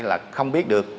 là không biết được